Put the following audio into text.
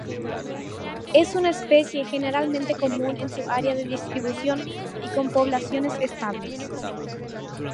Es una especie generalmente común en su área de distribución, y con poblaciones estables.